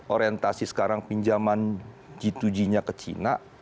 orientasi sekarang pinjaman g dua g nya ke china